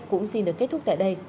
cũng xin được kết thúc tại đây